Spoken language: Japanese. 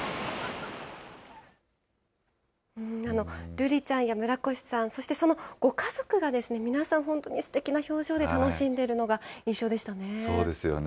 瑠莉ちゃんや村越さん、そしてそのご家族が皆さん本当にすてきな表情で楽しんでいるのがそうですよね。